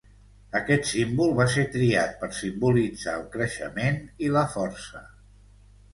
Aquest símbol va ser triat per simbolitzar el creixement i la força.